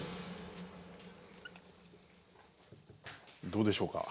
どうでしょうか？